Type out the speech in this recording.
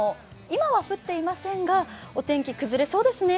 今は降っていませんが、お天気崩れそうですね。